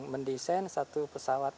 mendesain satu pesawat